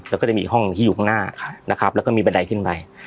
แล้วก็จะมีอีกห้องหนึ่งที่อยู่ข้างหน้าแล้วก็มีบันไดขึ้นไป